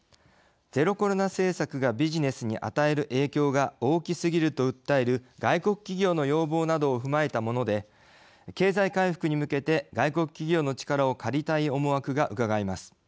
ゼロコロナ政策がビジネスに与える影響が大きすぎると訴える外国企業の要望などを踏まえたもので経済回復に向けて外国企業の力を借りたい思惑がうかがえます。